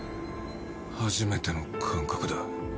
初めての感覚だ